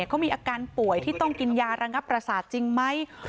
เขามีอาการป่วยที่ต้องกินยารังอักรภาษาจริงบ้าง